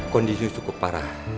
kondisi cukup parah